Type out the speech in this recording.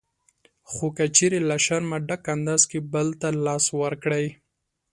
خو که چېرې له شرمه ډک انداز کې بل ته لاس ورکړئ